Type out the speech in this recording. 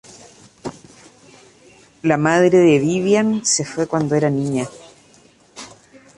La madre de Vivian se fue cuando era niña.